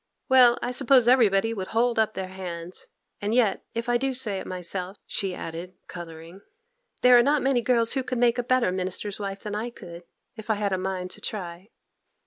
'Well, I suppose everybody would hold up their hands; and yet if I do say it myself,' she added, colouring, 'there are not many girls who could make a better minister's wife than I could if I had a mind to try.